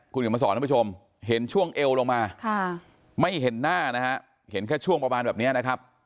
คุณเขียนมาสอนท่านผู้ชมเห็นช่วงเอวลงมาไม่เห็นหน้านะฮะเห็นแค่ช่วงประมาณแบบนี้นะครับ